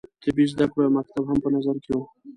طبي زده کړو یو مکتب هم په نظر کې وو.